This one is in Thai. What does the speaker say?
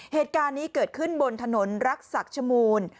เหตุการณ์นี้เกิดขึ้นบนถนนรักษักชมูล